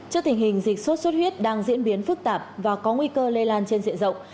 trước tình hình dịch sốt xuất huyết đang diễn biến phức tạp và có nguy cơ lây lan trên diện rộng